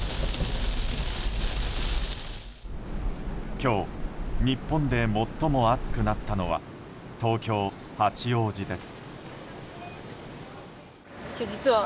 今日、日本で最も暑くなったのは東京・八王子です。